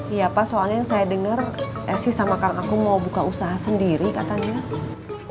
iya pak soalnya yang saya dengar esih sama kakakku mau buka usaha sendiri katanya